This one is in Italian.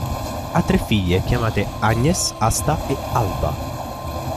Ha tre figlie, chiamate Agnes, Asta e Alba.